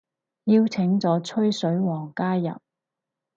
邀請咗吹水王加入